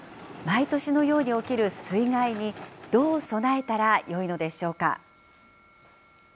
毎年のように起きる水害に、どう備えたらよいのでしょうか。